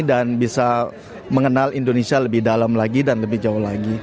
dan bisa mengenal indonesia lebih dalam lagi dan lebih jauh lagi